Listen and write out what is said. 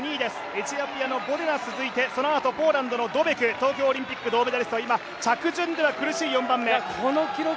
エチオピアのボデナが続いてそのあと、ポーランドのドベク東京オリンピック銅メダリスト今着順では厳しい４番目。